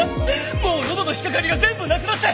もう喉の引っかかりが全部なくなって！